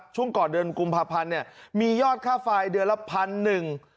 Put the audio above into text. ช่วงก่อนเดือนกุมภาพันธ์เนี่ยมียอดค่าไฟเดือนละพันหนึ่ง